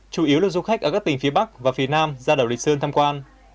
chủ yếu là du khách ở các tỉnh phía bắc và phía nam ra đảo lý sơn tham quan